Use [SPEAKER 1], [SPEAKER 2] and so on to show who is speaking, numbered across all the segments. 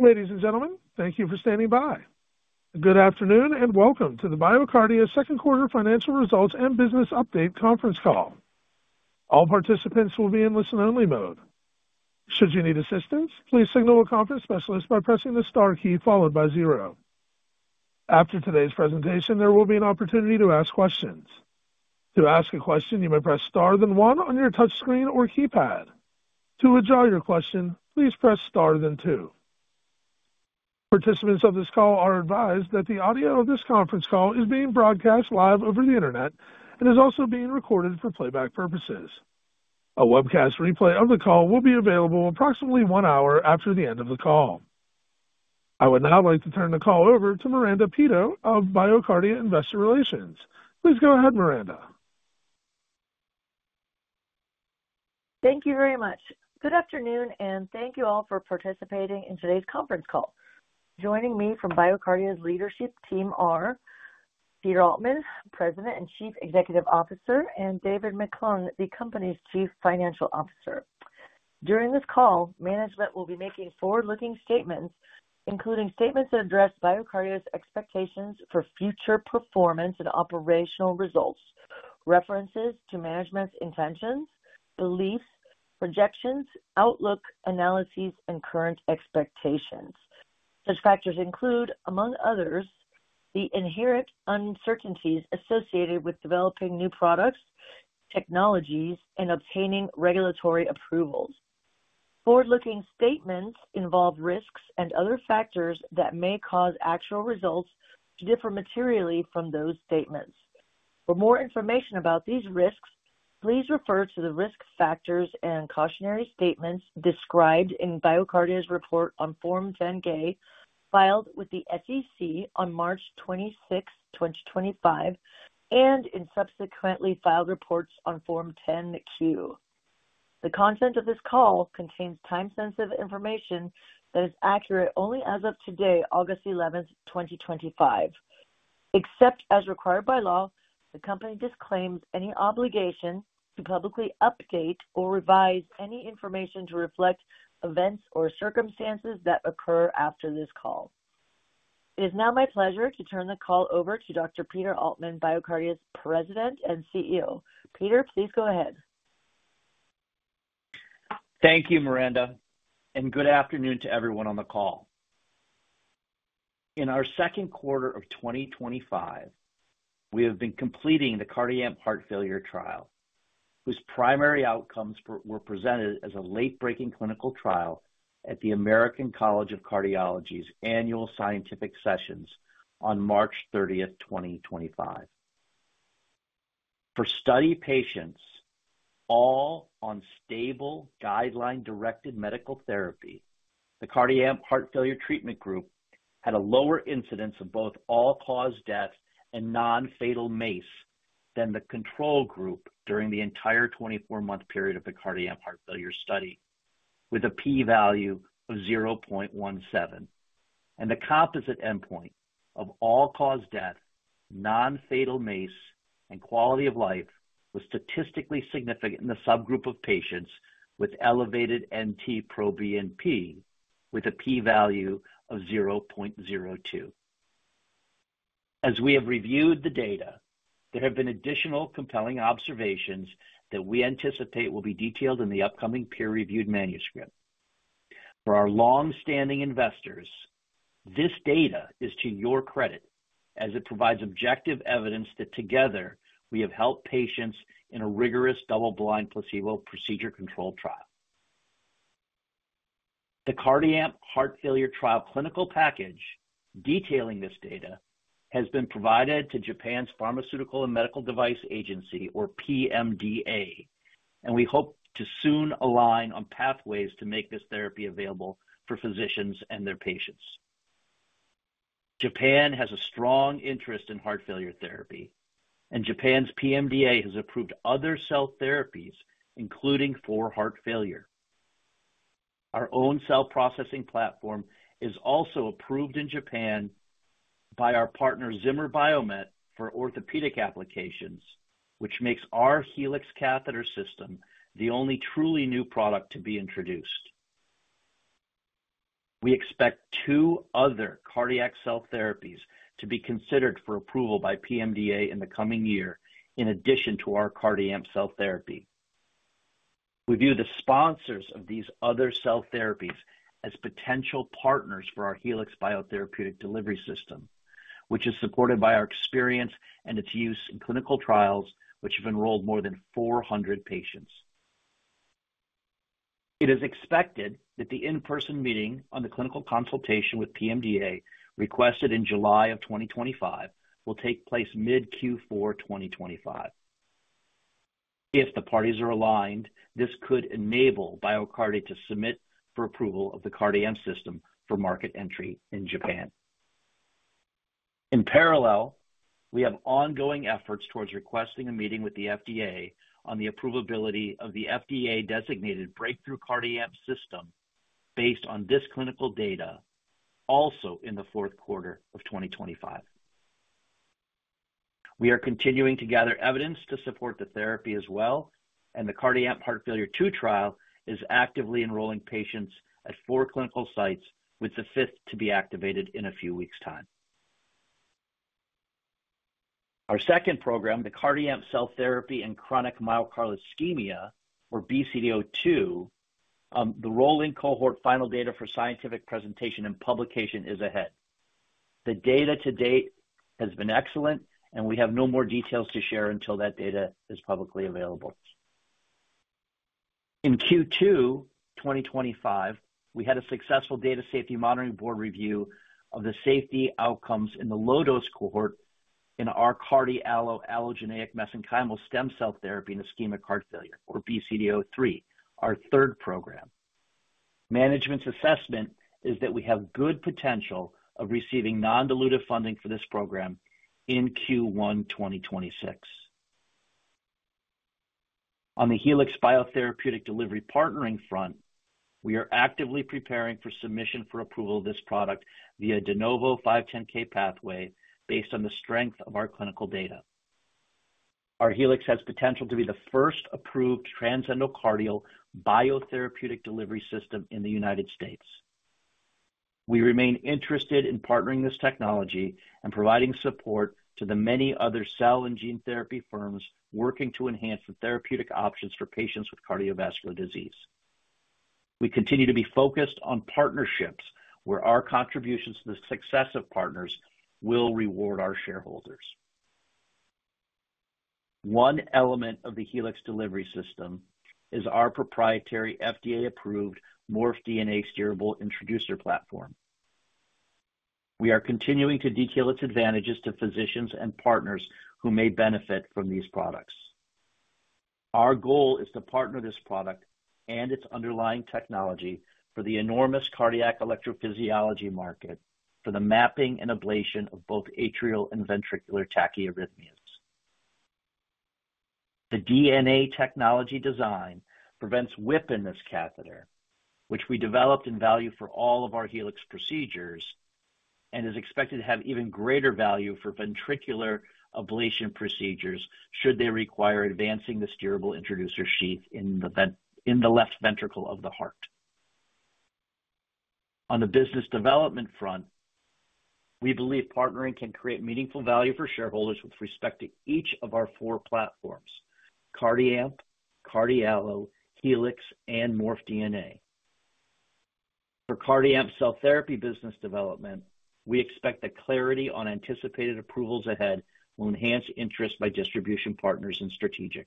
[SPEAKER 1] Ladies and gentlemen, thank you for standing by. Good afternoon and welcome to the BioCardia Second Quarter Financial Results and Business Update Conference Call. All participants will be in listen-only mode. Should you need assistance, please signal a conference specialist by pressing the star key followed by zero. After today's presentation, there will be an opportunity to ask questions. To ask a question, you may press star then one on your touchscreen or keypad. To withdraw your question, please press star then two. Participants of this call are advised that the audio of this conference call is being broadcast live over the Internet and is also being recorded for playback purposes. A webcast replay of the call will be available approximately one hour after the end of the call. I would now like to turn the call over to Miranda Peto of BioCardia Investor Relations. Please go ahead, Miranda.
[SPEAKER 2] Thank you very much. Good afternoon and thank you all for participating in today's conference call. Joining me from BioCardia's leadership team are Peter Altman, President and Chief Executive Officer, and David McClung, the Company's Chief Financial Officer. During this call, management will be making forward-looking statements, including statements that address BioCardia's expectations for future performance and operational results, references to management's intentions, beliefs, projections, outlook, analyses, and current expectations. Such factors include, among others, the inherent uncertainties associated with developing new products, technologies, and obtaining regulatory approvals. Forward-looking statements involve risks and other factors that may cause actual results to differ materially from those statements. For more information about these risks, please refer to the risk factors and cautionary statements described in BioCardia's report on Form 10-K filed with the SEC on March 26, 2025, and in subsequently filed reports on Form 10-Q. The content of this call contains time-sensitive information that is accurate only as of today, August 11, 2025. Except as required by law, the company disclaims any obligation to publicly update or revise any information to reflect events or circumstances that occur after this call. It is now my pleasure to turn the call over to Dr. Peter Altman, BioCardia's President and CEO. Peter, please go ahead.
[SPEAKER 3] Thank you, Miranda, and good afternoon to everyone on the call. In our second quarter of 2025, we have been completing the CardiAMP Heart Failure trial, whose primary outcomes were presented as a late-breaking clinical trial at the American College of Cardiology's annual scientific sessions on March 30, 2025. For study patients, all on stable guideline-directed medical therapy, the CardiAMP Heart Failure Treatment Group had a lower incidence of both all-cause deaths and non-fatal MACE than the control group during the entire 24-month period of the CardiAMP Heart Failure Study, with a p-value of 0.17. The composite endpoint of all-cause death, non-fatal MACE, and quality of life was statistically significant in the subgroup of patients with elevated NT-proBNP, with a p-value of 0.02. As we have reviewed the data, there have been additional compelling observations that we anticipate will be detailed in the upcoming peer-reviewed manuscript. For our longstanding investors, this data is to your credit, as it provides objective evidence that together we have helped patients in a rigorous double-blind placebo procedure control trial. The CardiAMP Heart Failure trial clinical package detailing this data has been provided to Japan’s Pharmaceuticals and Medical Devices Agency, or PMDA, and we hope to soon align on pathways to make this therapy available for physicians and their patients. Japan has a strong interest in heart failure therapy, and Japan’s PMDA has approved other cell therapies, including for heart failure. Our own cell processing platform is also approved in Japan by our partner Zimmer Biomet for orthopedic applications, which makes our Helix catheter system the only truly new product to be introduced. We expect two other cardiac cell therapies to be considered for approval by PMDA in the coming year, in addition to our CardiAMP cell therapy. We view the sponsors of these other cell therapies as potential partners for our Helix biotherapeutic delivery system, which is supported by our experience and its use in clinical trials which have enrolled more than 400 patients. It is expected that the in-person meeting on the clinical consultation with PMDA requested in July of 2025 will take place mid-Q4 2025. If the parties are aligned, this could enable BioCardia to submit for approval of the CardiAMP system for market entry in Japan. In parallel, we have ongoing efforts towards requesting a meeting with the FDA on the approvability of the FDA-designated breakthrough CardiAMP system based on this clinical data, also in the fourth quarter of 2025. We are continuing to gather evidence to support the therapy as well, and the CardiAMP Heart Failure II trial is actively enrolling patients at four clinical sites, with the fifth to be activated in a few weeks' time. Our second program, the CardiAMP Cell Therapy in Chronic Myocardial Ischemia, or BCDA-02, the rolling cohort final data for scientific presentation and publication is ahead. The data to date has been excellent, and we have no more details to share until that data is publicly available. In Q2 2025, we had a successful data safety monitoring board review of the safety outcomes in the low-dose cohort in our CardiALLO allogeneic mesenchymal stem cell therapy in ischemic heart failure, or BCDA-03, our third program. Management's assessment is that we have good potential of receiving non-dilutive funding for this program in Q1 2026. On the Helix biotherapeutic delivery partnering front, we are actively preparing for submission for approval of this product via de novo 510(k) pathway based on the strength of our clinical data. Our Helix has potential to be the first approved transendocardial biotherapeutic delivery system in the United States. We remain interested in partnering this technology and providing support to the many other cell and gene therapy firms working to enhance the therapeutic options for patients with cardiovascular disease. We continue to be focused on partnerships where our contributions to the success of partners will reward our shareholders. One element of the Helix delivery system is our proprietary FDA-approved MorphDNA steerable introducer platform. We are continuing to detail its advantages to physicians and partners who may benefit from these products. Our goal is to partner this product and its underlying technology for the enormous cardiac electrophysiology market for the mapping and ablation of both atrial and ventricular tachyarrhythmias. The DNA technology design prevents whip in this catheter, which we developed in value for all of our Helix procedures and is expected to have even greater value for ventricular ablation procedures should they require advancing the steerable introducer sheath in the left ventricle of the heart. On the business development front, we believe partnering can create meaningful value for shareholders with respect to each of our four platforms: CardiAMP, CardiALLO, Helix, and MorphDNA. For CardiAMP cell therapy business development, we expect that clarity on anticipated approvals ahead will enhance interest by distribution partners and strategics.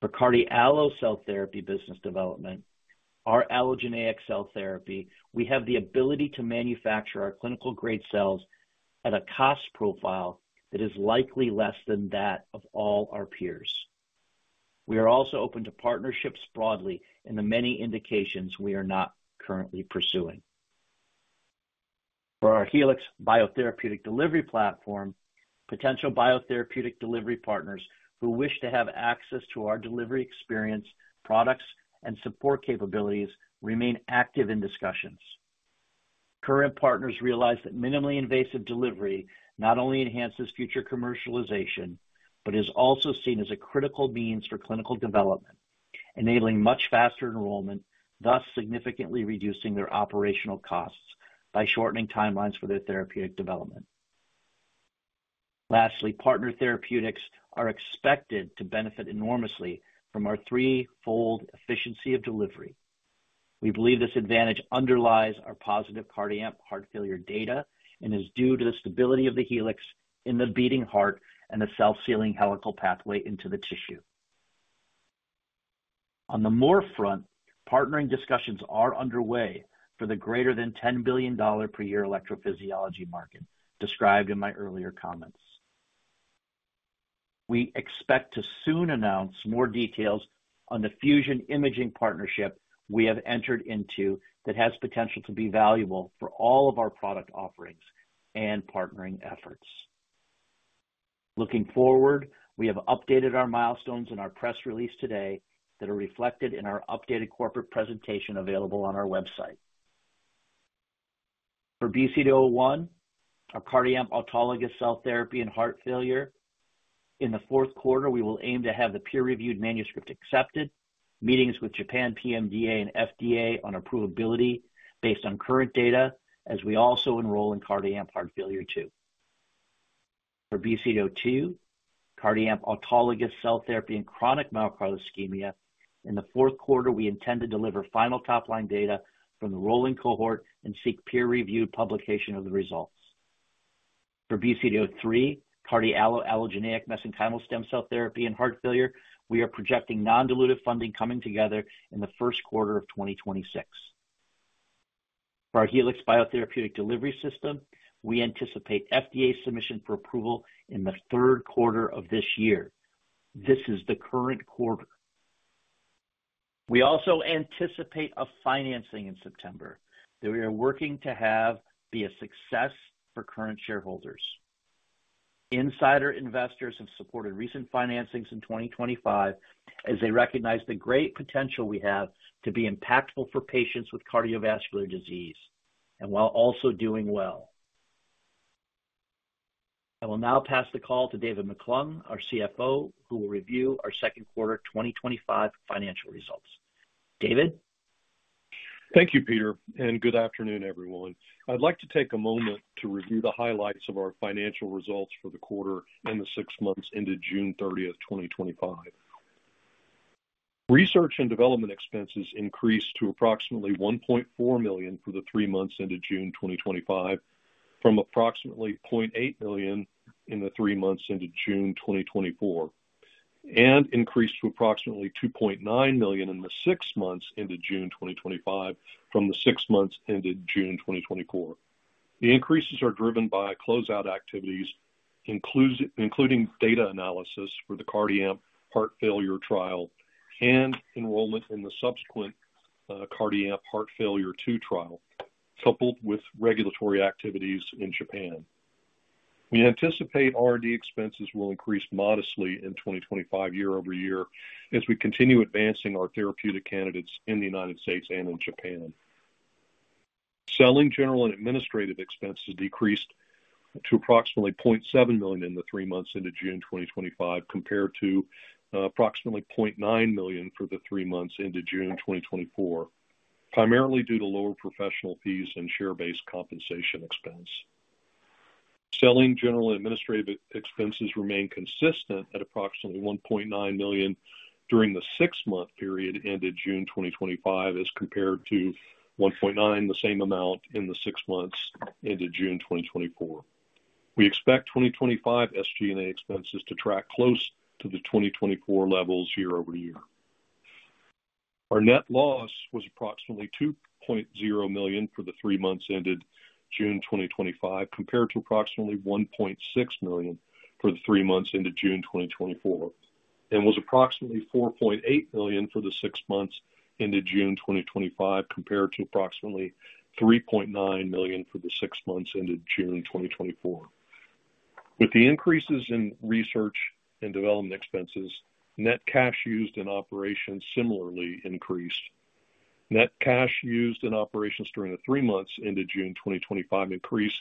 [SPEAKER 3] For CardiALLO cell therapy business development, our allogeneic cell therapy, we have the ability to manufacture our clinical-grade cells at a cost profile that is likely less than that of all our peers. We are also open to partnerships broadly in the many indications we are not currently pursuing. For our Helix biotherapeutic delivery platform, potential biotherapeutic delivery partners who wish to have access to our delivery experience, products, and support capabilities remain active in discussions. Current partners realize that minimally invasive delivery not only enhances future commercialization but is also seen as a critical means for clinical development, enabling much faster enrollment, thus significantly reducing their operational costs by shortening timelines for their therapeutic development. Lastly, partner therapeutics are expected to benefit enormously from our three-fold efficiency of delivery. We believe this advantage underlies our positive CardiAMP heart failure data and is due to the stability of the Helix in the beating heart and the self-sealing helical pathway into the tissue. On the Morph front, partnering discussions are underway for the greater than $10 billion per year electrophysiology market described in my earlier comments. We expect to soon announce more details on the fusion imaging partnership we have entered into that has potential to be valuable for all of our product offerings and partnering efforts. Looking forward, we have updated our milestones in our press release today that are reflected in our updated corporate presentation available on our website. For BCDA-01, our CardiAMP autologous cell therapy in heart failure, in the fourth quarter, we will aim to have the peer-reviewed manuscript accepted, meetings with Japan’s PMDA and FDA on approvability based on current data as we also enroll in CardiAMP Heart Failure II. For BCDA-02, CardiAMP autologous cell therapy in chronic myocardial ischemia, in the fourth quarter, we intend to deliver final top-line data from the rolling cohort and seek peer-reviewed publication of the results. For BCDA-03, CardiALLO allogeneic mesenchymal stem cell therapy in heart failure, we are projecting non-dilutive funding coming together in the first quarter of 2026. For our Helix biotherapeutic delivery system, we anticipate FDA submission for approval in the third quarter of this year. This is the current quarter. We also anticipate a financing in September that we are working to have be a success for current shareholders. Insider investors have supported recent financings in 2025 as they recognize the great potential we have to be impactful for patients with cardiovascular disease and while also doing well. I will now pass the call to David McClung, our CFO, who will review our second quarter 2025 financial results. David?
[SPEAKER 4] Thank you, Peter, and good afternoon, everyone. I'd like to take a moment to review the highlights of our financial results for the quarter and the six months ended June 30, 2025. Research and development expenses increased to approximately $1.4 million for the three months ended June 2025, from approximately $0.8 million in the three months ended June 2024, and increased to approximately $2.9 million in the six months ended June 2025 from the six months ended June 2024. The increases are driven by closeout activities, including data analysis for the CardiAMP Heart Failure trial and enrollment in the subsequent CardiAMP Heart Failure II trial, coupled with regulatory activities in Japan. We anticipate R&D expenses will increase modestly in 2025 year-over-year as we continue advancing our therapeutic candidates in the United States and in Japan. Selling, general and administrative expenses decreased to approximately $0.7 million in the three months ended June 2025 compared to approximately $0.9 million for the three months ended June 2024, primarily due to lower professional fees and share-based compensation expense. Selling, general and administrative expenses remain consistent at approximately $1.9 million during the six-month period ended June 2025 as compared to $1.9 million, the same amount in the six months ended June 2024. We expect 2025 SG&A expenses to track close to the 2024 levels year-over-year. Our net loss was approximately $2.0 million for the three months ended June 2025 compared to approximately $1.6 million for the three months ended June 2024, and was approximately $4.8 million for the six months ended June 2025 compared to approximately $3.9 million for the six months ended June 2024. With the increases in research and development expenses, net cash used in operations similarly increased. Net cash used in operations during the three months ended June 2025 increased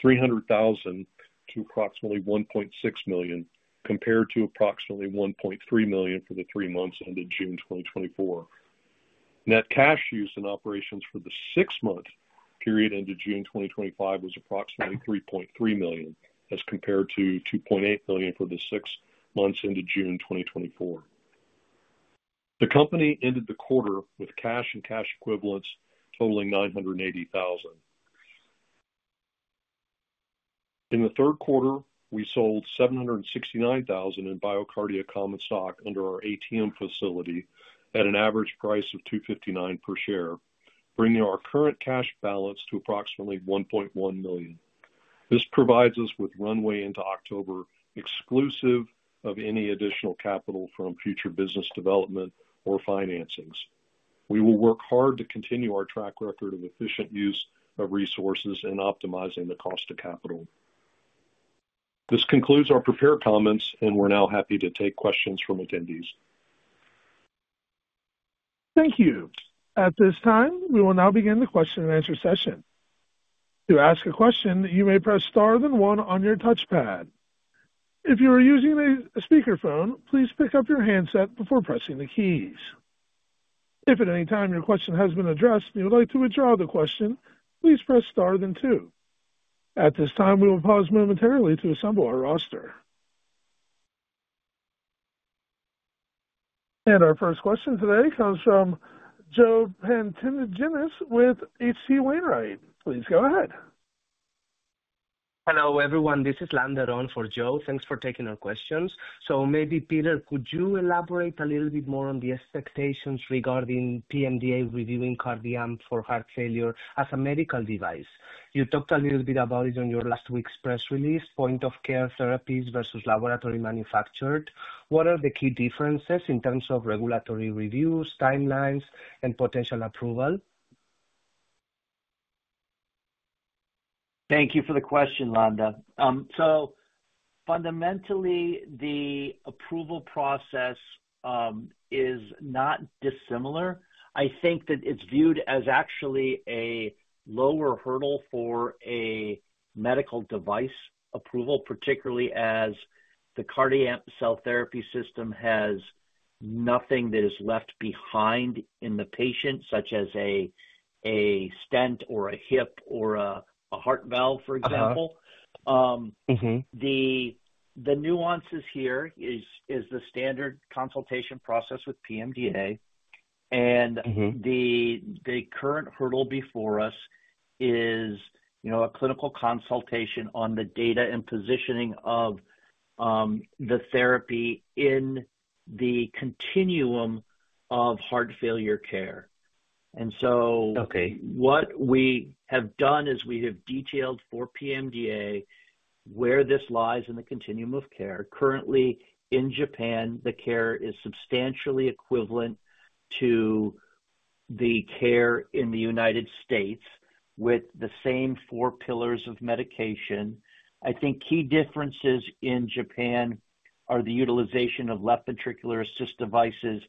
[SPEAKER 4] $300,000 to approximately $1.6 million compared to approximately $1.3 million for the three months ended June 2024. Net cash used in operations for the six-month period ended June 2025 was approximately $3.3 million as compared to $2.8 million for the six months ended June 2024. The company ended the quarter with cash and cash equivalents totaling $980,000. In the third quarter, we sold $769,000 in BioCardia common stock under our ATM facility at an average price of $2.59 per share, bringing our current cash balance to approximately $1.1 million. This provides us with runway into October exclusive of any additional capital from future business development or financings. We will work hard to continue our track record of efficient use of resources and optimizing the cost of capital. This concludes our prepared comments, and we're now happy to take questions from attendees.
[SPEAKER 1] Thank you. At this time, we will now begin the question-and-answer session. To ask a question, you may press star then one on your touchpad. If you are using a speakerphone, please pick up your handset before pressing the keys. If at any time your question has been addressed and you would like to withdraw the question, please press star then two. At this time, we will pause momentarily to assemble our roster. Our first question today comes from Joe Pantginis with H.C. Wainright. Please go ahead.
[SPEAKER 5] Hello, everyone. This is Lander on for Joe. Thanks for taking our questions. Peter, could you elaborate a little bit more on the expectations regarding PMDA reviewing CardiAMP for heart failure as a medical device? You talked a little bit about it on your last week's press release, point-of-care therapies versus laboratory manufactured. What are the key differences in terms of regulatory reviews, timelines, and potential approval?
[SPEAKER 3] Thank you for the question, Lander. Fundamentally, the approval process is not dissimilar. I think that it's viewed as actually a lower hurdle for a medical device approval, particularly as the CardiAMP cell therapy system has nothing that is left behind in the patient, such as a stent or a hip or a heart valve, for example. The nuances here are the standard consultation process with PMDA, and the current hurdle before us is a clinical consultation on the data and positioning of the therapy in the continuum of heart failure care. What we have done is we have detailed for PMDA where this lies in the continuum of care. Currently, in Japan, the care is substantially equivalent to the care in the United States with the same four pillars of medication. I think key differences in Japan are the utilization of left ventricular assist devices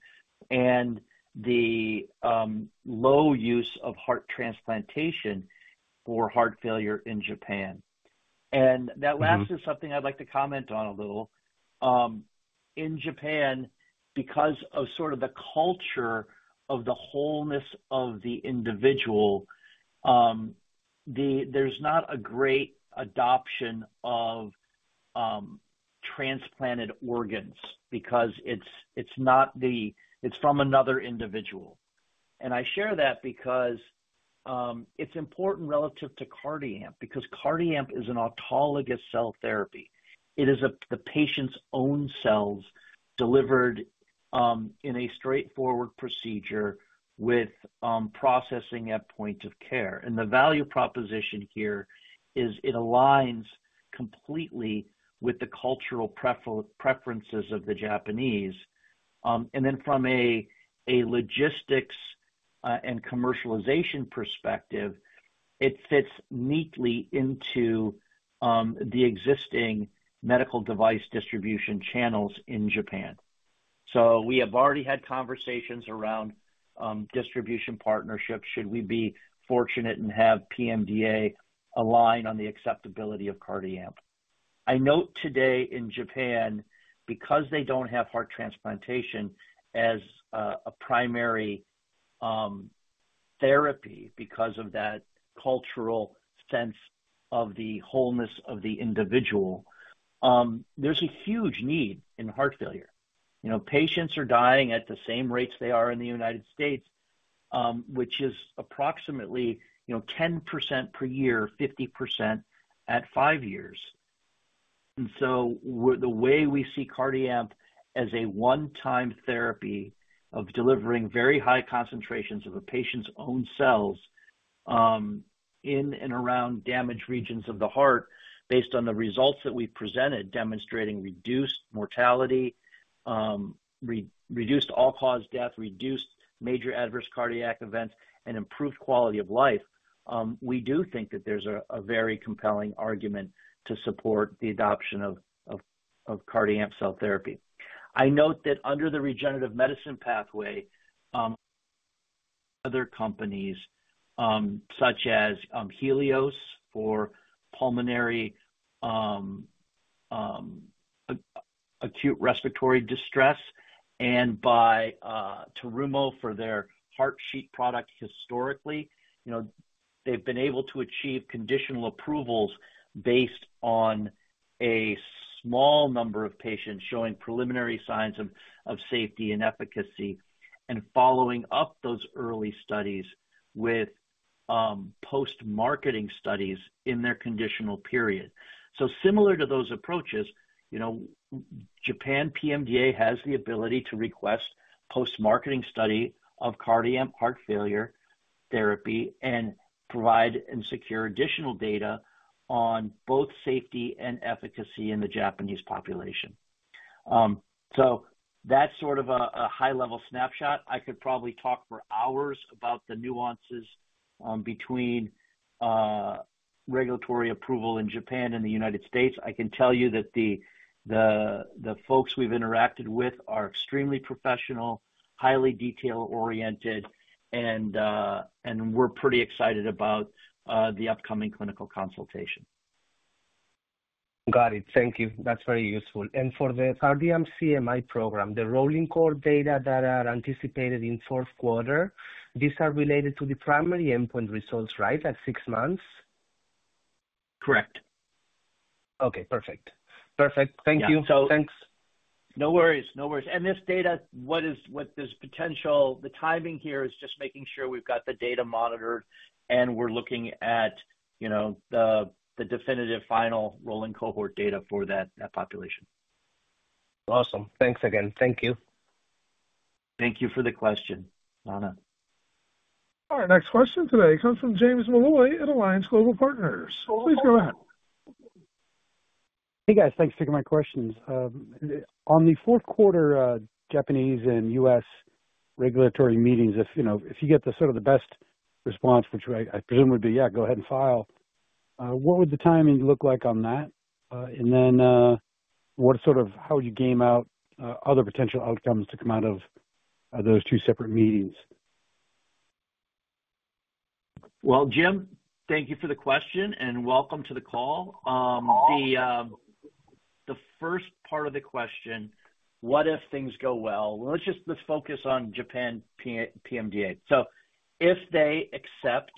[SPEAKER 3] and the low use of heart transplantation for heart failure in Japan. That last is something I'd like to comment on a little. In Japan, because of the culture of the wholeness of the individual, there's not a great adoption of transplanted organs because it's from another individual. I share that because it's important relative to CardiAMP because CardiAMP is an autologous cell therapy. It is the patient's own cells delivered in a straightforward procedure with processing at point of care. The value proposition here is it aligns completely with the cultural preferences of the Japanese. From a logistics and commercialization perspective, it fits neatly into the existing medical device distribution channels in Japan. We have already had conversations around distribution partnerships. Should we be fortunate and have PMDA align on the acceptability of CardiAMP, I note today in Japan, because they don't have heart transplantation as a primary therapy because of that cultural sense of the wholeness of the individual, there's a huge need in heart failure. Patients are dying at the same rates they are in the United States, which is approximately 10% per year, 50% at five years. The way we see CardiAMP as a one-time therapy of delivering very high concentrations of a patient's own cells in and around damaged regions of the heart, based on the results that we presented demonstrating reduced mortality, reduced all-cause deaths, reduced major adverse cardiac events, and improved quality of life, we do think that there's a very compelling argument to support the adoption of CardiAMP cell therapy. I note that under the regenerative medicine pathway, other companies such as Healios for pulmonary acute respiratory distress and by Terumo for their HeartSheet product historically, they've been able to achieve conditional approvals based on a small number of patients showing preliminary signs of safety and efficacy and following up those early studies with post-marketing studies in their conditional period. Similar to those approaches, Japan’s PMDA has the ability to request post-marketing study of CardiAMP heart failure therapy and provide and secure additional data on both safety and efficacy in the Japanese population. That's sort of a high-level snapshot. I could probably talk for hours about the nuances between regulatory approval in Japan and the United States. I can tell you that the folks we've interacted with are extremely professional, highly detail-oriented, and we're pretty excited about the upcoming clinical consultation.
[SPEAKER 5] Got it. Thank you. That's very useful. For the CardiAMP CMI program, the rolling cohort data that are anticipated in the fourth quarter, these are related to the primary endpoint results, right, at six months?
[SPEAKER 3] Correct.
[SPEAKER 5] Okay. Perfect. Thank you. Thanks.
[SPEAKER 3] No worries. This data, what is what this potential, the timing here is just making sure we've got the data monitored and we're looking at the definitive final rolling cohort data for that population.
[SPEAKER 5] Awesome. Thanks again. Thank you.
[SPEAKER 3] Thank you for the question, Lander.
[SPEAKER 1] Our next question today comes from James Malloy at Alliance Global Partners. Please go ahead.
[SPEAKER 6] Hey, guys. Thanks for taking my questions. On the fourth quarter, Japanese and U.S. regulatory meetings, if you know, if you get the sort of the best response, which I presume would be, yeah, go ahead and file, what would the timing look like on that? What sort of how would you game out other potential outcomes to come out of those two separate meetings?
[SPEAKER 3] Jim, thank you for the question and welcome to the call. The first part of the question, what if things go well? Let's just focus on Japan’s PMDA. If they accept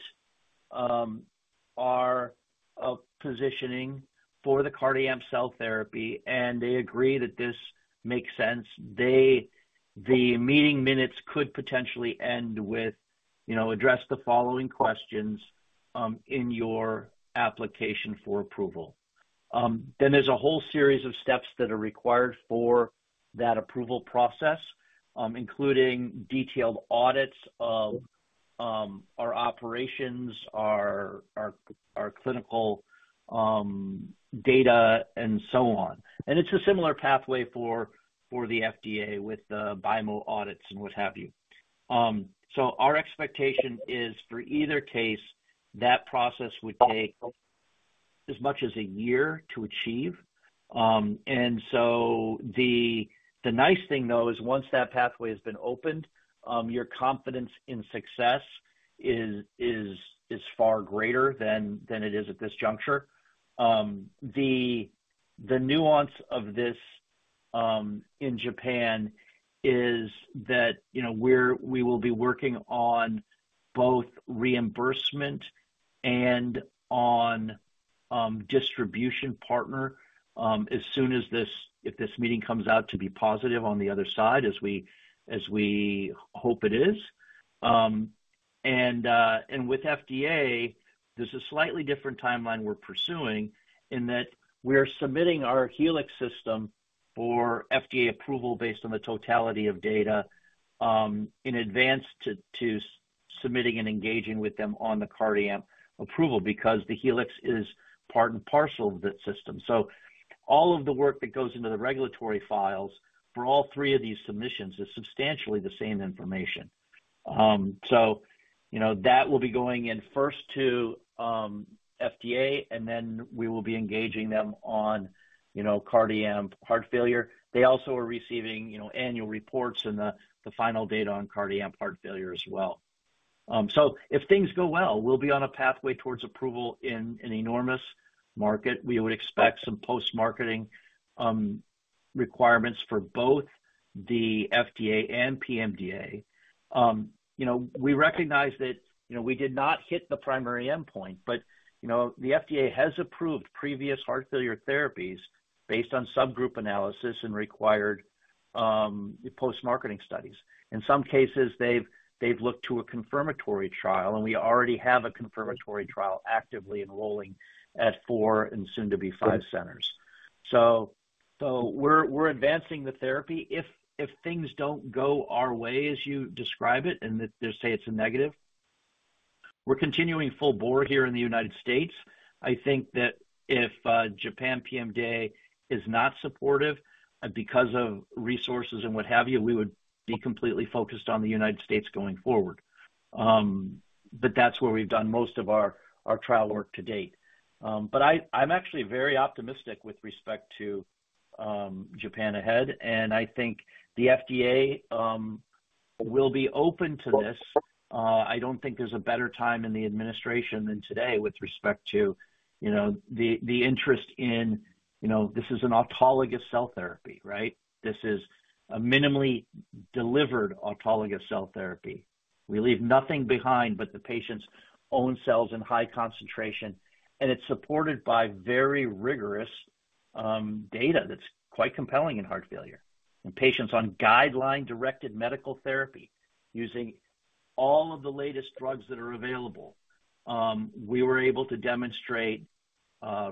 [SPEAKER 3] our positioning for the CardiAMP cell therapy and they agree that this makes sense, the meeting minutes could potentially end with, you know, address the following questions in your application for approval. Then there's a whole series of steps that are required for that approval process, including detailed audits of our operations, our clinical data, and so on. It's a similar pathway for the FDA with the BIMO audits and what have you. Our expectation is for either case, that process would take as much as a year to achieve. The nice thing, though, is once that pathway has been opened, your confidence in success is far greater than it is at this juncture. The nuance of this in Japan is that, you know, we will be working on both reimbursement and on a distribution partner as soon as this, if this meeting comes out to be positive on the other side, as we hope it is. With FDA, there's a slightly different timeline we're pursuing in that we are submitting our Helix system for FDA approval based on the totality of data, in advance to submitting and engaging with them on the CardiAMP approval because the Helix is part and parcel of the system. All of the work that goes into the regulatory files for all three of these submissions is substantially the same information. That will be going in first to FDA, and then we will be engaging them on CardiAMP heart failure. They also are receiving annual reports and the final data on CardiAMP heart failure as well. If things go well, we'll be on a pathway towards approval in an enormous market. We would expect some post-marketing requirements for both the FDA and PMDA. We recognize that we did not hit the primary endpoint, but the FDA has approved previous heart failure therapies based on subgroup analysis and required post-marketing studies. In some cases, they've looked to a confirmatory trial, and we already have a confirmatory trial actively enrolling at four and soon to be five centers. We're advancing the therapy. If things don't go our way, as you describe it, and they say it's a negative, we're continuing full bore here in the United States. I think that if Japan’s PMDA is not supportive because of resources and what have you, we would be completely focused on the United States going forward. That's where we've done most of our trial work to date. I'm actually very optimistic with respect to Japan ahead. I think the FDA will be open to this. I don't think there's a better time in the administration than today with respect to the interest in, you know, this is an autologous cell therapy, right? This is a minimally delivered autologous cell therapy. We leave nothing behind but the patient's own cells in high concentration, and it's supported by very rigorous data that's quite compelling in heart failure. Patients on guideline-directed medical therapy using all of the latest drugs that are available, we were able to demonstrate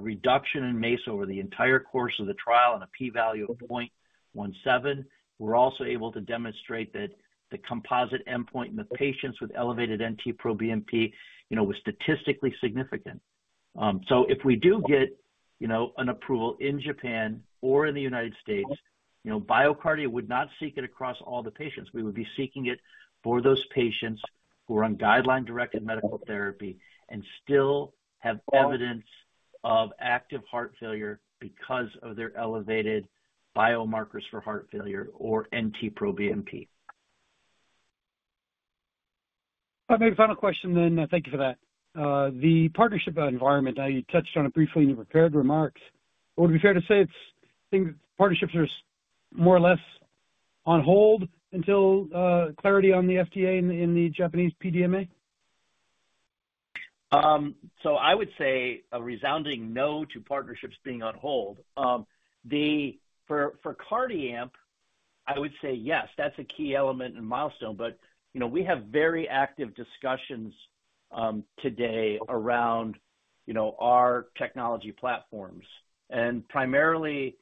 [SPEAKER 3] reduction in MACE over the entire course of the trial and a p-value of 0.17. We're also able to demonstrate that the composite endpoint in the patients with elevated NT-proBNP was statistically significant. If we do get, you know, an approval in Japan or in the United States, BioCardia would not seek it across all the patients. We would be seeking it for those patients who are on guideline-directed medical therapy and still have evidence of active heart failure because of their elevated biomarkers for heart failure or NT-proBNP.
[SPEAKER 6] Maybe final question then. Thank you for that. The partnership environment, now you touched on it briefly in your prepared remarks. Would it be fair to say partnerships are more or less on hold until clarity on the FDA and the Japan’s PMDA?
[SPEAKER 3] I would say a resounding no to partnerships being on hold. For CardiAMP, I would say yes. That's a key element and milestone. We have very active discussions today around our technology platforms. Primarily,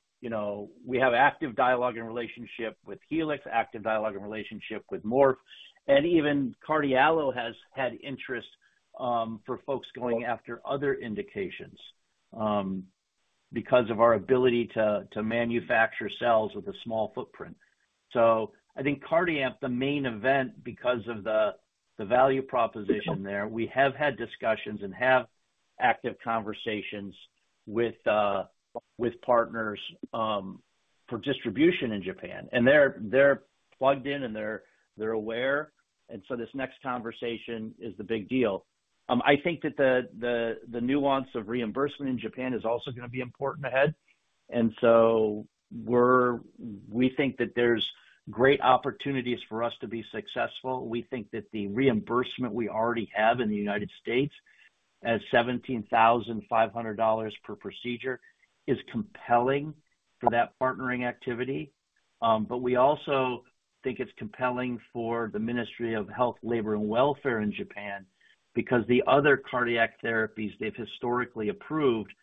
[SPEAKER 3] we have active dialogue and relationship with Helix, active dialogue and relationship with Morph, and even CardiALLO has had interest for folks going after other indications because of our ability to manufacture cells with a small footprint. I think CardiAMP, the main event, because of the value proposition there, we have had discussions and have active conversations with partners for distribution in Japan. They're plugged in and they're aware. This next conversation is the big deal. I think that the nuance of reimbursement in Japan is also going to be important ahead. We think that there's great opportunities for us to be successful. We think that the reimbursement we already have in the United States at $17,500 per procedure is compelling for that partnering activity. We also think it's compelling for the Ministry of Health, Labour and Welfare in Japan because the other cardiac therapies they've historically approved,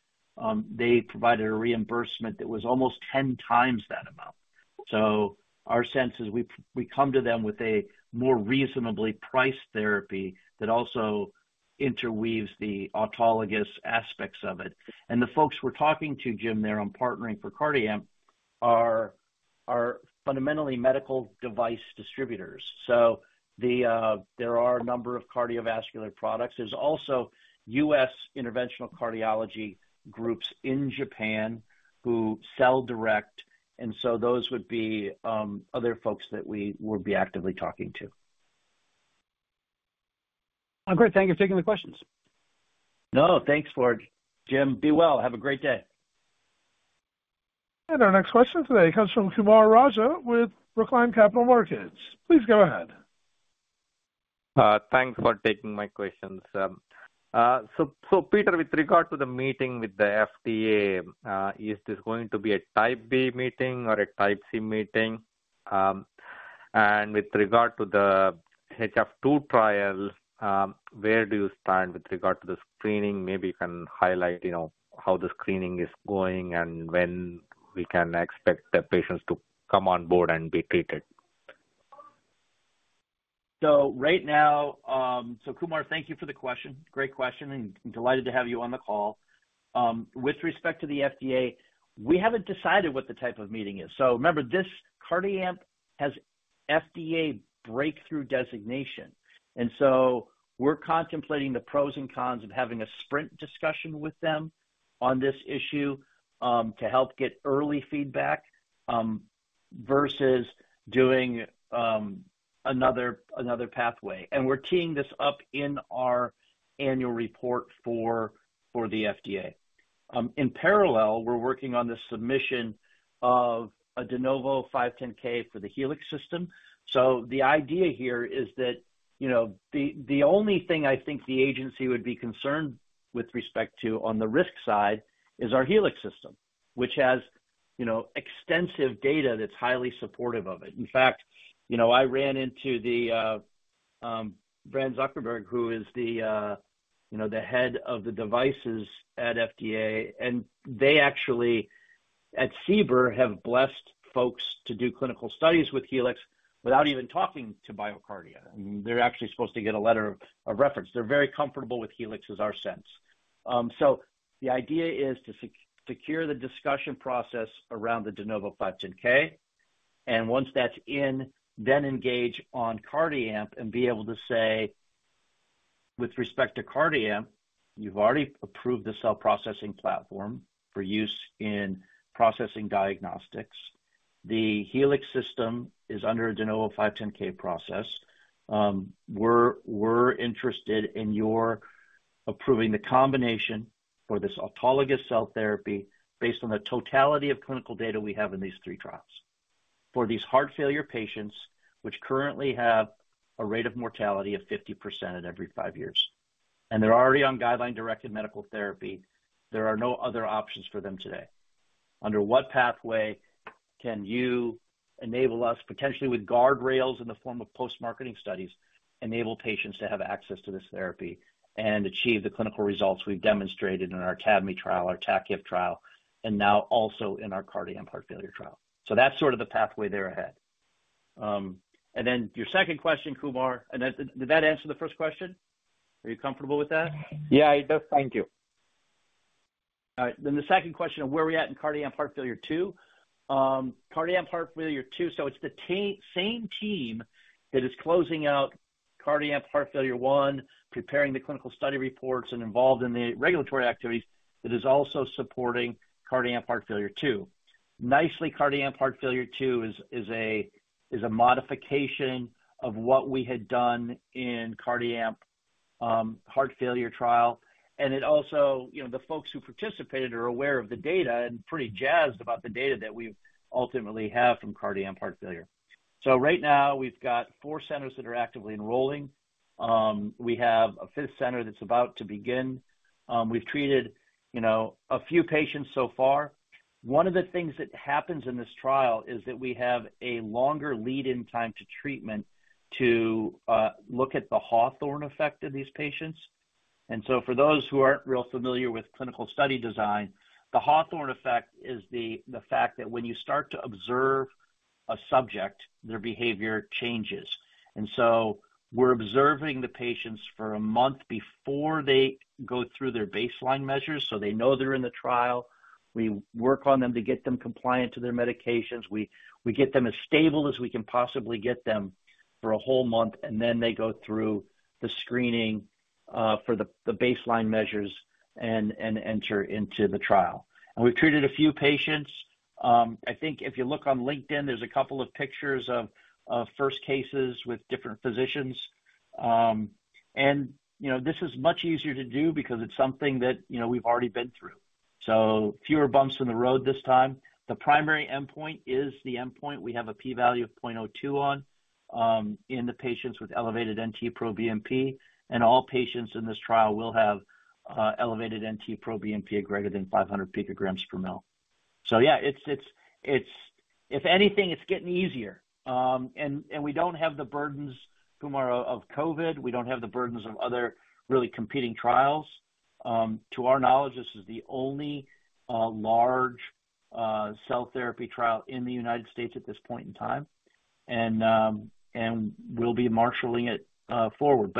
[SPEAKER 3] they provided a reimbursement that was almost 10x that amount. Our sense is we come to them with a more reasonably priced therapy that also interweaves the autologous aspects of it. The folks we're talking to, Jim, there on partnering for CardiAMP are fundamentally medical device distributors. There are a number of cardiovascular products. There are also U.S. interventional cardiology groups in Japan who sell direct. Those would be other folks that we would be actively talking to.
[SPEAKER 6] Great. Thank you for taking the questions.
[SPEAKER 3] No, thanks for it, Jim. Be well. Have a great day.
[SPEAKER 1] Our next question today comes from Kumar Raja with Brookline Capital Markets. Please go ahead.
[SPEAKER 7] Thanks for taking my questions. Peter, with regard to the meeting with the FDA, is this going to be a Type B meeting or a Type C meeting? With regard to the HF II trial, where do you stand with regard to the screening? Maybe you can highlight how the screening is going and when we can expect the patients to come on board and be treated.
[SPEAKER 3] Right now, Kumar, thank you for the question. Great question. Delighted to have you on the call. With respect to the FDA, we haven't decided what the type of meeting is. Remember, this CardiAMP has FDA breakthrough designation. We're contemplating the pros and cons of having a sprint discussion with them on this issue to help get early feedback, versus doing another pathway. We're teeing this up in our annual report for the FDA. In parallel, we're working on the submission of a de novo 510(k) for the Helix system. The idea here is that the only thing I think the agency would be concerned with on the risk side is our Helix system, which has extensive data that's highly supportive of it. In fact, I ran into [Brand Zuckerberg], who is the Head of the Devices at FDA. They actually, at CBER, have blessed folks to do clinical studies with Helix without even talking to BioCardia. They're actually supposed to get a letter of reference. They're very comfortable with Helix, is our sense. The idea is to secure the discussion process around the de novo 510(k). Once that's in, then engage on CardiAMP and be able to say, with respect to CardiAMP, you've already approved the cell processing platform for use in processing diagnostics. The Helix system is under a de novo 510(k) process. We're interested in your approving the combination for this autologous cell therapy based on the totality of clinical data we have in these three trials for these heart failure patients, which currently have a rate of mortality of 50% at every five years. They're already on guideline-directed medical therapy. There are no other options for them today. Under what pathway can you enable us, potentially with guardrails in the form of post-marketing studies, enable patients to have access to this therapy and achieve the clinical results we've demonstrated in our TABMMI trial, our TACHFT trial, and now also in our CardiAMP heart failure trial? That's sort of the pathway there ahead. Your second question, Kumar, and did that answer the first question? Are you comfortable with that?
[SPEAKER 7] Yeah, it does. Thank you.
[SPEAKER 3] All right. The second question of where are we at in CardiAMP Heart Failure II? CardiAMP Heart Failure II, it's the same team that is closing out CardiAMP Heart Failure I, preparing the clinical study reports, and involved in the regulatory activities that is also supporting CardiAMP Heart Failure II. Nicely, CardiAMP Heart Failure II is a modification of what we had done in CardiAMP Heart Failure trial. The folks who participated are aware of the data and pretty jazzed about the data that we ultimately have from CardiAMP Heart Failure. Right now, we've got four centers that are actively enrolling. We have a fifth center that's about to begin. We've treated a few patients so far. One of the things that happens in this trial is that we have a longer lead-in time to treatment to look at the Hawthorne effect in these patients. For those who aren't real familiar with clinical study design, the Hawthorne effect is the fact that when you start to observe a subject, their behavior changes. We're observing the patients for a month before they go through their baseline measures. They know they're in the trial. We work on them to get them compliant to their medications. We get them as stable as we can possibly get them for a whole month, and then they go through the screening for the baseline measures and enter into the trial. We've treated a few patients. I think if you look on LinkedIn, there's a couple of pictures of first cases with different physicians. This is much easier to do because it's something that we've already been through. Fewer bumps in the road this time. The primary endpoint is the endpoint. We have a p-value of 0.02 in the patients with elevated NT-proBNP. All patients in this trial will have elevated NT-proBNP of greater than 500 pg/mL. It's, if anything, getting easier. We don't have the burdens, Kumar, of COVID. We don't have the burdens of other really competing trials. To our knowledge, this is the only large cell therapy trial in the United States at this point in time. We'll be marshaling it forward.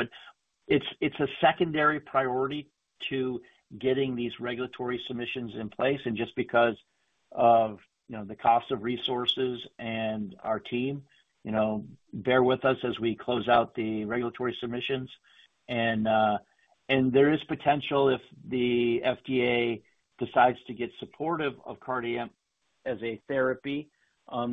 [SPEAKER 3] It's a secondary priority to getting these regulatory submissions in place. Just because of the cost of resources and our team, bear with us as we close out the regulatory submissions. There is potential if the FDA decides to get supportive of CardiAMP as a therapy,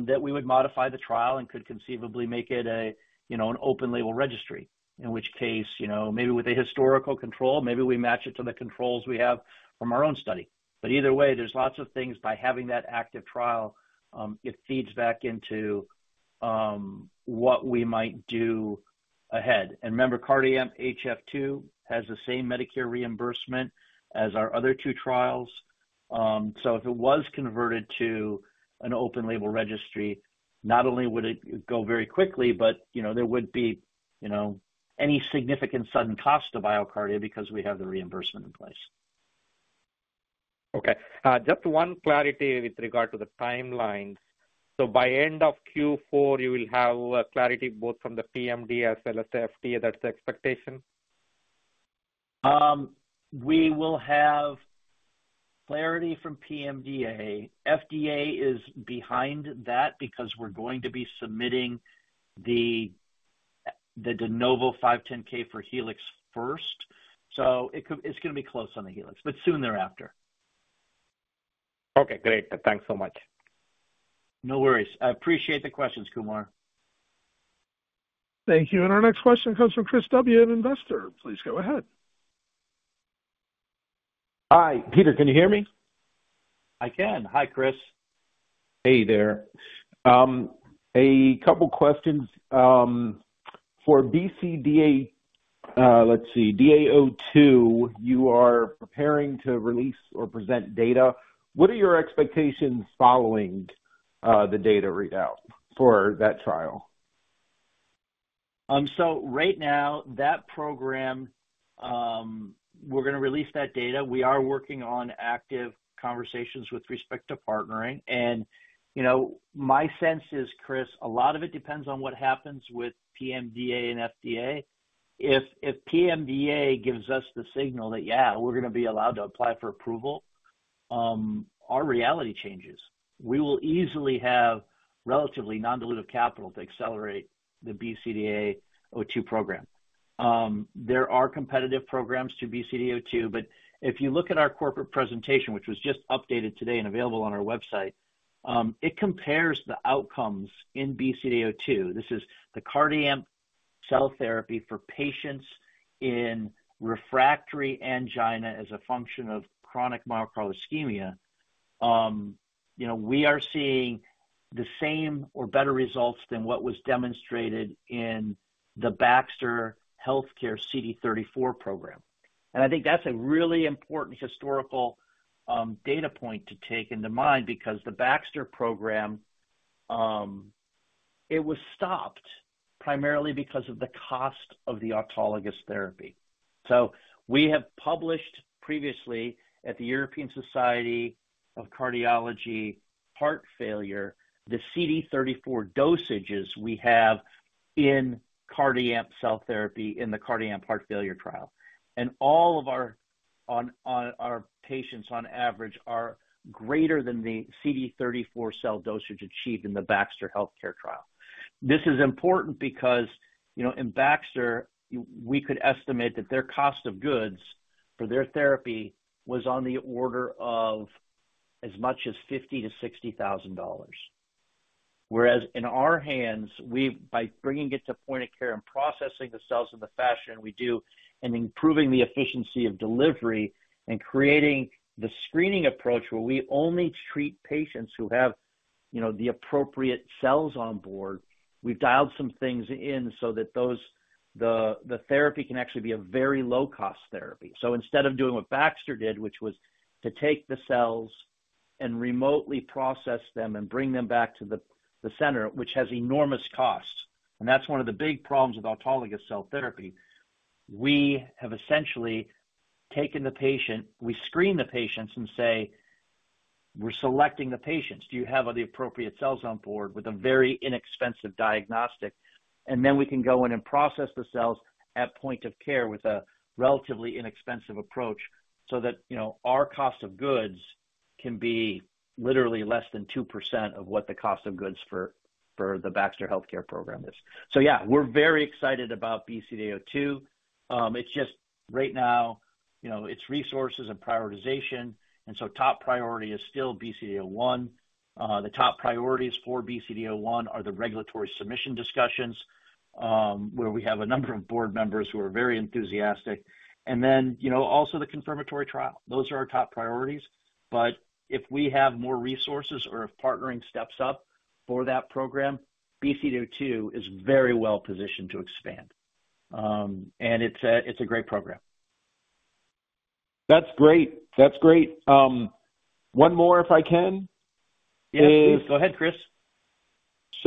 [SPEAKER 3] that we would modify the trial and could conceivably make it an open label registry, in which case, maybe with a historical control, maybe we match it to the controls we have from our own study. Either way, there's lots of things by having that active trial, it feeds back into what we might do ahead. Remember, CardiAMP HF II has the same Medicare reimbursement as our other two trials. If it was converted to an open label registry, not only would it go very quickly, but there wouldn't be any significant sudden cost to BioCardia because we have the reimbursement in place.
[SPEAKER 7] Okay. Just one clarity with regard to the timeline. By end of Q4, you will have clarity both from the PMDA as well as the FDA. That's the expectation?
[SPEAKER 3] We will have clarity from PMDA. FDA is behind that because we're going to be submitting the de novo 510(k) for Helix first. It's going to be close on the Helix, but soon thereafter.
[SPEAKER 7] Okay, great. Thanks so much.
[SPEAKER 3] No worries. I appreciate the questions, Kumar.
[SPEAKER 1] Thank you. Our next question comes from Chris W, an Investor. Please go ahead. Hi, Peter, can you hear me?
[SPEAKER 3] I can. Hi, Chris. Hey, there. A couple of questions. For BCDA-02, you are preparing to release or present data. What are your expectations following the data readout for that trial? Right now, that program, we're going to release that data. We are working on active conversations with respect to partnering. You know, my sense is, Chris, a lot of it depends on what happens with PMDA and FDA. If PMDA gives us the signal that, yeah, we're going to be allowed to apply for approval, our reality changes. We will easily have relatively non-dilutive capital to accelerate the BCDA-02 program. There are competitive programs to BCDA-02, but if you look at our corporate presentation, which was just updated today and available on our website, it compares the outcomes in BCDA-02. This is the CardiAMP cell therapy for patients in refractory angina as a function of chronic myocardial ischemia. You know, we are seeing the same or better results than what was demonstrated in the Baxter Healthcare CD34 program. I think that's a really important historical data point to take into mind because the Baxter program, it was stopped primarily because of the cost of the autologous therapy. We have published previously at the European Society of Cardiology heart failure the CD34 dosages we have in CardiAMP cell therapy in the CardiAMP Heart Failure trial. All of our patients, on average, are greater than the CD34 cell dosage achieved in the Baxter Healthcare trial. This is important because, you know, in Baxter, we could estimate that their cost of goods for their therapy was on the order of as much as $50,000-$60,000, whereas in our hands, by bringing it to point of care and processing the cells in the fashion we do and improving the efficiency of delivery and creating the screening approach where we only treat patients who have the appropriate cells on board, we've dialed some things in so that the therapy can actually be a very low-cost therapy. Instead of doing what Baxter did, which was to take the cells and remotely process them and bring them back to the center, which has enormous costs, and that's one of the big problems with autologous cell therapy, we have essentially taken the patient, we screen the patients and say, "We're selecting the patients. Do you have the appropriate cells on board with a very inexpensive diagnostic?" Then we can go in and process the cells at point of care with a relatively inexpensive approach so that, you know, our cost of goods can be literally less than 2% of what the cost of goods for the Baxter Healthcare program is. Yes, we're very excited about BCDA-02. Right now, it's resources and prioritization. The top priority is still BCDA-01. The top priorities for BCDA-01 are the regulatory submission discussions, where we have a number of Board members who are very enthusiastic, and also the confirmatory trial. Those are our top priorities. If we have more resources or if partnering steps up for that program, BCDA-02 is very well-positioned to expand. It's a great program. That's great. One more, if I can. Yes. Go ahead, Chris.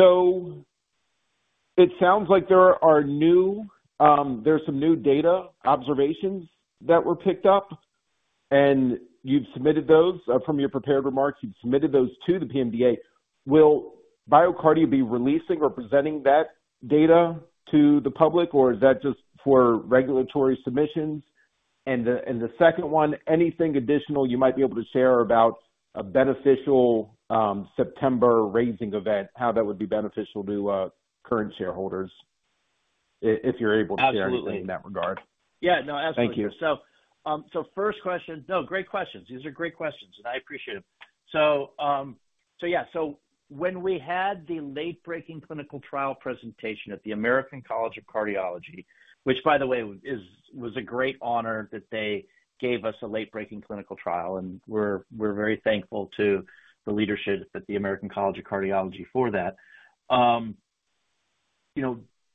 [SPEAKER 3] It sounds like there are some new data observations that were picked up. You've submitted those from your prepared remarks. You've submitted those to the PMDA. Will BioCardia be releasing or presenting that data to the public, or is that just for regulatory submissions? The second one, anything additional you might be able to share about a beneficial September raising event, how that would be beneficial to current shareholders if you're able to share anything in that regard. Absolutely. Yeah, absolutely. Thank you. Great questions. These are great questions, and I appreciate them. When we had the late-breaking clinical trial presentation at the American College of Cardiology, which, by the way, was a great honor that they gave us a late-breaking clinical trial, we're very thankful to the leadership at the American College of Cardiology for that.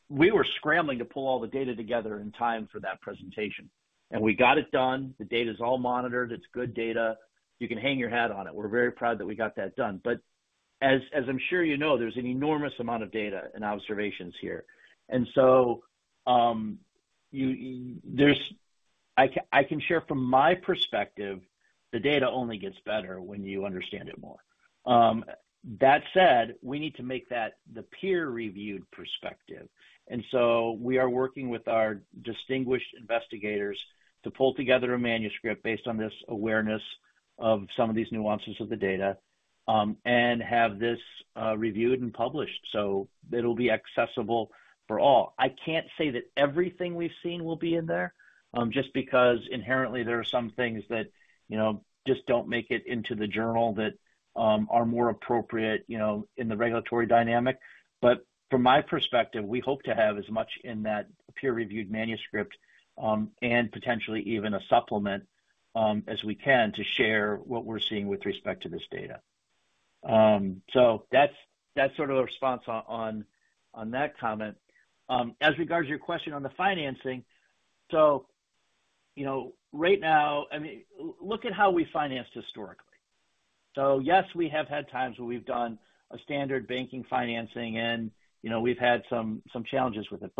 [SPEAKER 3] We were scrambling to pull all the data together in time for that presentation, and we got it done. The data is all monitored. It's good data. You can hang your hat on it. We're very proud that we got that done. As I'm sure you know, there's an enormous amount of data and observations here. I can share from my perspective, the data only gets better when you understand it more. That said, we need to make that the peer-reviewed perspective. We are working with our distinguished investigators to pull together a manuscript based on this awareness of some of these nuances of the data, and have this reviewed and published so it'll be accessible for all. I can't say that everything we've seen will be in there, just because inherently there are some things that just don't make it into the journal that are more appropriate in the regulatory dynamic. From my perspective, we hope to have as much in that peer-reviewed manuscript, and potentially even a supplement, as we can to share what we're seeing with respect to this data. That's sort of the response on that comment. As regards to your question on the financing, right now, look at how we financed historically. Yes, we have had times where we've done a standard banking financing, and we've had some challenges with it.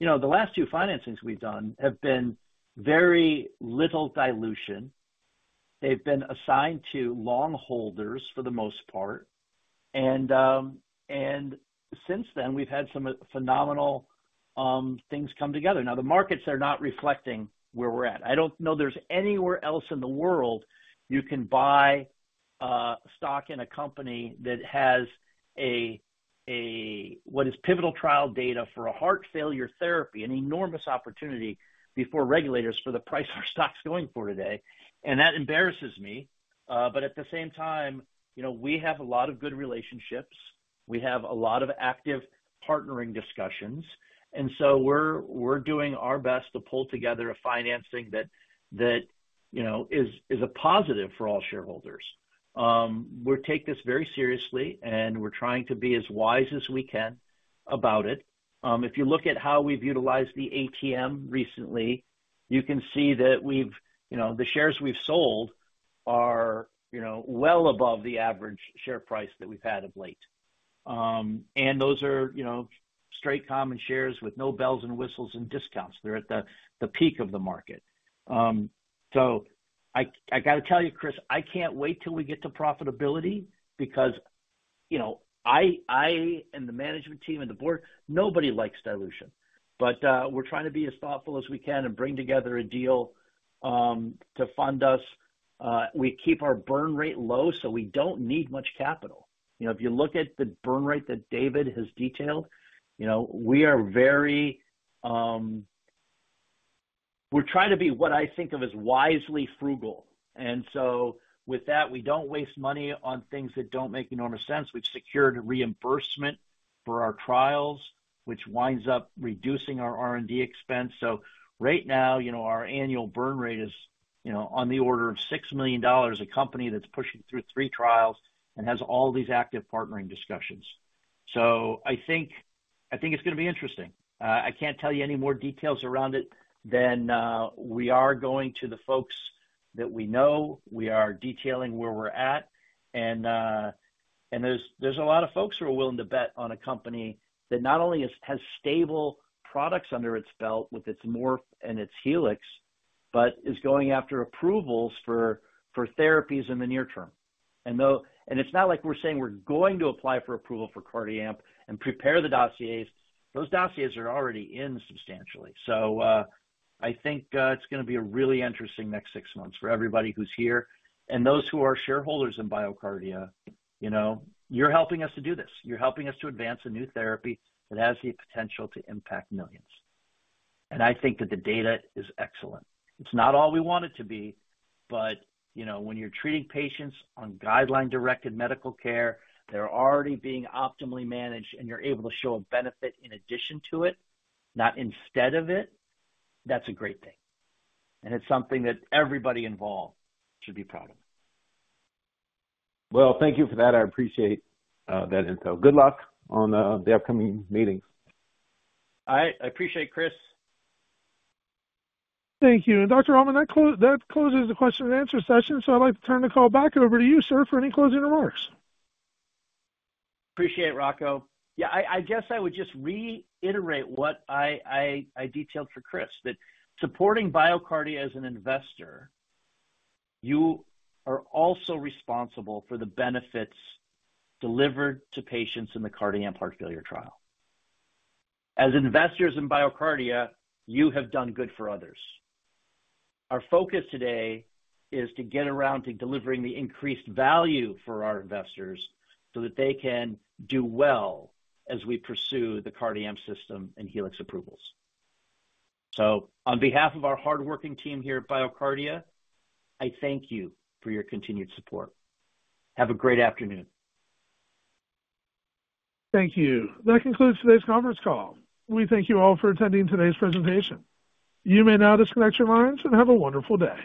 [SPEAKER 3] The last two financings we've done have been very little dilution. They've been assigned to long holders for the most part, and since then, we've had some phenomenal things come together. The markets are not reflecting where we're at. I don't know there's anywhere else in the world you can buy stock in a company that has what is pivotal trial data for a heart failure therapy, an enormous opportunity before regulators for the price of stocks going for today. That embarrasses me. At the same time, we have a lot of good relationships. We have a lot of active partnering discussions. We're doing our best to pull together a financing that is a positive for all shareholders. We take this very seriously, and we're trying to be as wise as we can about it. If you look at how we've utilized the ATM recently, you can see that the shares we've sold are well above the average share price that we've had of late. Those are straight common shares with no bells and whistles and discounts. They're at the peak of the market. I got to tell you, Chris, I can't wait till we get to profitability because I, the management team, and the Board, nobody likes dilution. We're trying to be as thoughtful as we can and bring together a deal to fund us. We keep our burn rate low, so we don't need much capital. If you look at the burn rate that David has detailed, we are very, we're trying to be what I think of as wisely frugal. With that, we don't waste money on things that don't make enormous sense. We've secured a reimbursement for our trials, which winds up reducing our R&D expense. Right now, our annual burn rate is on the order of $6 million, a company that's pushing through three trials and has all these active partnering discussions. I think it's going to be interesting. I can't tell you any more details around it than we are going to the folks that we know. We are detailing where we're at, and there's a lot of folks who are willing to bet on a company that not only has stable products under its belt with its Morph and its Helix, but is going after approvals for therapies in the near term. It's not like we're saying we're going to apply for approval for CardiAMP and prepare the dossiers. Those dossiers are already in substantially. I think it's going to be a really interesting next six months for everybody who's here. Those who are shareholders in BioCardia, you're helping us to do this. You're helping us to advance a new therapy that has the potential to impact millions. I think that the data is excellent. It's not all we want it to be, but when you're treating patients on guideline-directed medical care, they're already being optimally managed, and you're able to show a benefit in addition to it, not instead of it, that's a great thing. It's something that everybody involved should be proud of. Thank you for that. I appreciate that info. Good luck on the upcoming meetings. All right. I appreciate it, Chris.
[SPEAKER 1] Thank you. Dr. Altman, that closes the question and answer session. I'd like to turn the call back over to you, sir, for any closing remarks.
[SPEAKER 3] Appreciate it, Rocco. I guess I would just reiterate what I detailed for Chris, that supporting BioCardia as an investor, you are also responsible for the benefits delivered to patients in the CardiAMP Heart Failure trial. As investors in BioCardia, you have done good for others. Our focus today is to get around to delivering the increased value for our investors so that they can do well as we pursue the CardiAMP system and Helix approvals. On behalf of our hardworking team here at BioCardia, I thank you for your continued support. Have a great afternoon.
[SPEAKER 1] Thank you. That concludes today's conference call. We thank you all for attending today's presentation. You may now disconnect your lines and have a wonderful day.